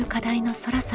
そらさん